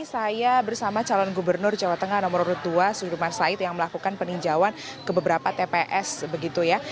saya bersama calon gubernur jawa tengah nomor urut dua sudirman said yang melakukan peninjauan ke beberapa tps begitu ya